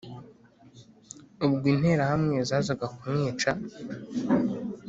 Ubwo interahamwe zazaga kumwica